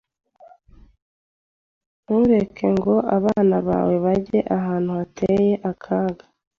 Ntureke ngo abana bawe bajye ahantu hateye akaga.